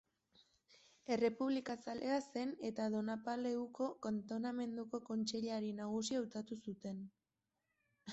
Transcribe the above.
Errepublikazalea zen eta Donapaleuko kantonamenduko kontseilari nagusi hautatu zuten.